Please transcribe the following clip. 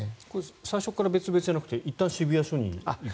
最初から別々じゃなくていったん渋谷署に行くんですか？